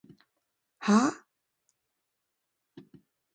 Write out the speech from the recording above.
はーーー？